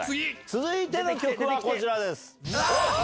続いての曲はこちらです。